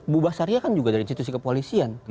bu basaria kan juga dari institusi kepolisian